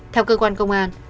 theo cơ quan công an